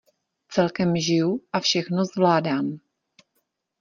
Celkem žiju a všechno zvládám.